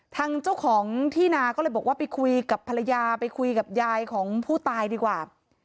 ทางเจ้าของที่นาก็เลยบอกว่าไปคุยกับภรรยาไปคุยกับยายของผู้ตายดีกว่า